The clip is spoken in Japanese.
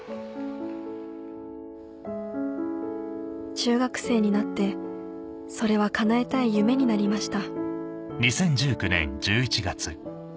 中学生になってそれはかなえたい夢になりました